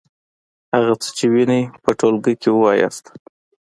هغه څه چې وینئ په ټولګي کې ووایئ.